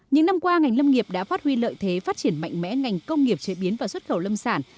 những năm qua ngành lâm nghiệp đã phát huy lợi thế phát triển mạnh mẽ ngành công nghiệp chế biến và xuất khẩu lâm sản